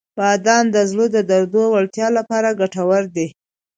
• بادام د زړه د دردو وړتیا لپاره ګټور دي.